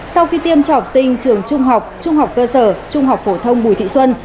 sau khi tiêm cho học sinh trường trung học trung học cơ sở trung học phổ thông bùi thị xuân